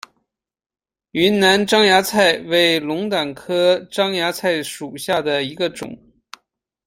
云南獐牙菜为龙胆科獐牙菜属下的一个种。